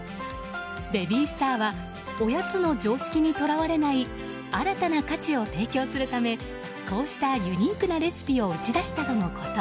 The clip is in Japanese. ベビースターはおやつの常識にとらわれない新たな価値を提供するためこうしたユニークなレシピを打ち出したとのこと。